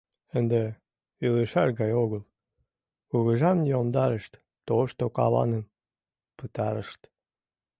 Ынде илышаш гай огыл, кугыжам йомдарышт, тошто каваным пытарышт..